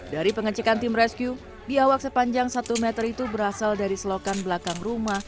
dari pengecekan tim rescue biawak sepanjang satu meter itu berasal dari selokan belakang rumah